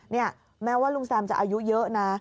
นี่แม้ว่าลุงแซมจะอายุเยอะนะ